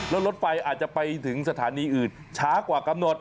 แล้วรถไฟอาจจะไปถึงสถานีอื่นช้ากว่ากำหนด